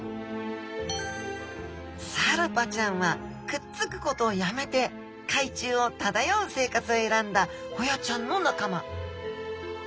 サルパちゃんはくっつくことをやめて海中を漂う生活を選んだホヤちゃんの仲間。